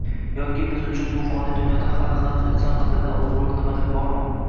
Yoki biz uchun bu foniy dunyoda hali-hanuz inson qadridan ulug‘roq nimadir bormi?